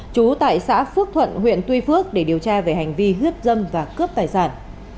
trú tại xã phước thuận huyện tuy phước để điều tra về hành vi hiếp dâm và cướp tài sản